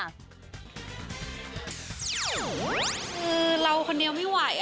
คือเราคนเดียวไม่ไหว